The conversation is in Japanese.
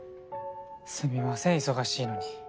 すみません忙しいのに。